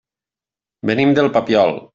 Venim del Papiol.